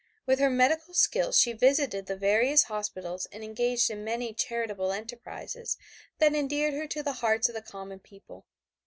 With her medical skill she visited the various hospitals and engaged in many charitable enterprises that endeared her to the hearts of the common people.